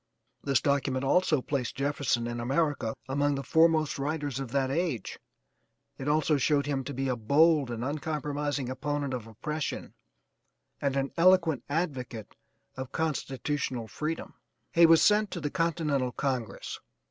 This document also placed Jefferson in America among the foremost writers of that age; it also showed him to be a bold and uncompromising opponent of oppression, and an eloquent advocate of constitutional freedom. He was sent to the Continental Congress.